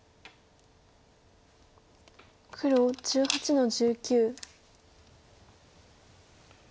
黒１８の十九。